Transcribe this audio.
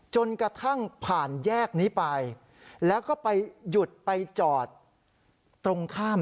จนกระทั่งผ่านแยกนี้ไปแล้วก็ไปหยุดไปจอดตรงข้าม